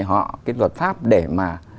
họ cái luật pháp để mà